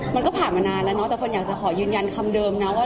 มันก็ผ่านมานานแล้วเนาะแต่เฟิร์นอยากจะขอยืนยันคำเดิมนะว่า